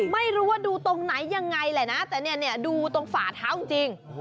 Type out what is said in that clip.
ไม่รู้ว่าดูตรงไหนยังไงแหละนะแต่เนี่ยดูตรงฝาเท้าจริง